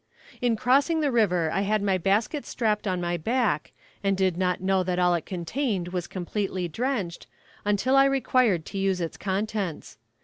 In crossing the river I had my basket strapped on my back, and did not know that all it contained was completely drenched, until I required to use its contents.